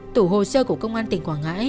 tủ hồ sơ của công an tỉnh quảng ngãi